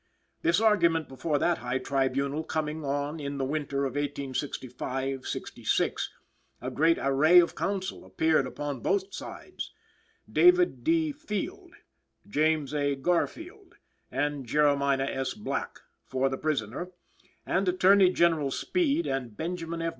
The argument before that high tribunal coming on in the winter of 1865 66, a great array of counsel appeared upon both sides; David D. Field, James A. Garfield and Jeremiah S. Black for the prisoner, and Attorney General Speed and Benjamin F.